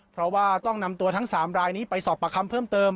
เพราะว่าต้องนำตัวทั้ง๓รายนี้ไปสอบประคำเพิ่มเติม